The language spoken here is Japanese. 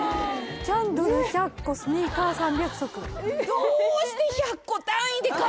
キャンドル１００個スニーカー３００足ああ出た！